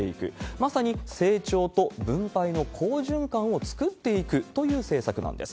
まさに成長と分配の好循環を作っていくという政策なんです。